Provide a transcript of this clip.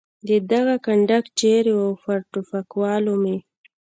د ده کنډک چېرې و؟ پر ټوپکوالو مې.